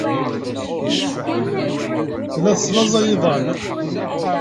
Tella teslaẓay iḍan.